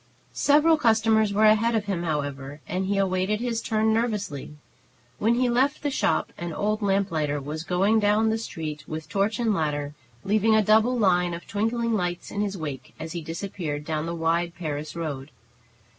Several customers were ahead of him, however, and he awaited his turn nervously. When he left the shop an old lamplighter was going down the street with torch and ladder, leaving a double line of twinkling lights in his wake, as he disappeared down the wide "Paris road."